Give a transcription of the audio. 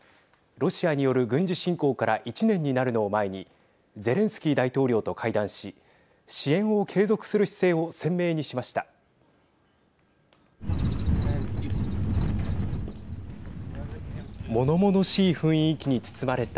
ロシアによる軍事侵攻から１年になるのを前にゼレンスキー大統領と会談し支援を継続する姿勢を鮮明にしました。